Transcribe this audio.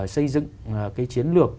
xây dựng cái chiến lược